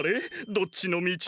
どっちのみち？